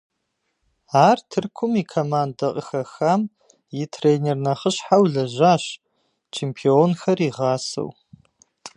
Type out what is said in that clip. Ар Тыркум и командэ къыхэхам и тренер нэхъыщхьэу лэжьащ, чемпионхэр игъасэу.